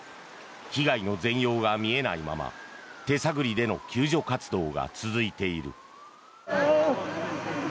被害の全容が見えないまま手探りでの救助活動が続いている。